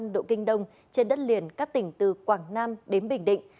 một trăm linh tám năm độ kinh đông trên đất liền các tỉnh từ quảng nam đến bình định